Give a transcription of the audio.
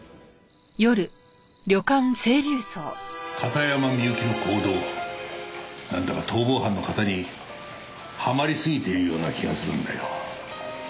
片山みゆきの行動なんだか逃亡犯の型にはまりすぎているような気がするんだよ。